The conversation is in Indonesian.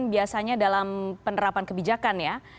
biasanya dalam penerapan kebijakan ya